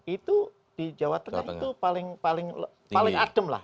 itu di jawa tengah itu paling adem lah